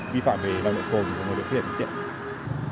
vi phạm về nồng độ cồn của người điều khiển phương tiện